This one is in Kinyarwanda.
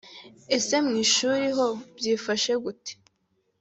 Ese mu ishuli ho byifashe gute